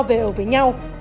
về ở với nhau